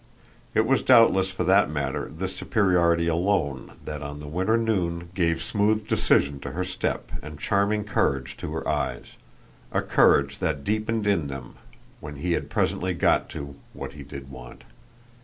It was doubtless for that matter this superiority alone that on the winter noon gave smooth decision to her step and charming courage to her eyes a courage that deepened in them when he had presently got to what he did want.